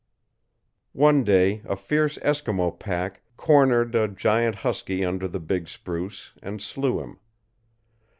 One day a fierce Eskimo pack cornered a giant husky under the big spruce, and slew him.